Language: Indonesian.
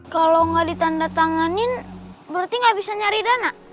kalau gak ditandatanganin berarti gak bisa nyari dana